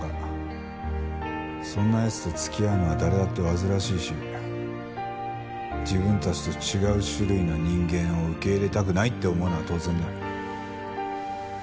そんな奴と付き合うのは誰だって煩わしいし自分たちと違う種類の人間を受け入れたくないって思うのは当然だ。